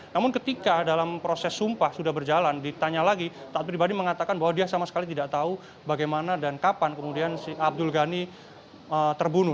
namun ketika dalam proses sumpah sudah berjalan ditanya lagi taat pribadi mengatakan bahwa dia sama sekali tidak tahu bagaimana dan kapan kemudian si abdul ghani terbunuh